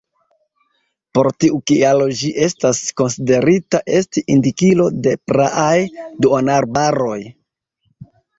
Por tiu kialo ĝi estas konsiderita esti indikilo de praaj duonarbaroj.